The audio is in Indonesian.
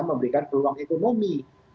membuka peluang ekonomi